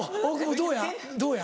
どうや？